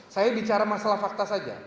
saya bicara masalah fakta saja